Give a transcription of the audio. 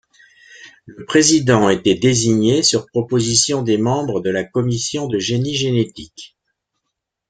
Le président était désigné sur proposition des membres de la commission de génie génétique.